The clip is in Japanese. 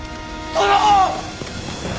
殿！